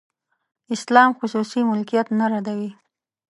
اسلام خصوصي ملکیت نه ردوي.